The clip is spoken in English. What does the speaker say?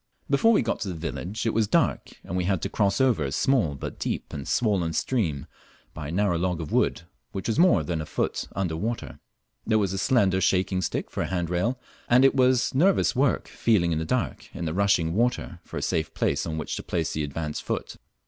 Before we got to the village it was dark, and we had to cross over a small but deep and swollen stream by a narrow log of wood, which was more than a foot under water. There was a slender shaking stick for a handrail, and it was nervous work feeling in the dark in the rushing water for a safe place on which to place the advanced foot.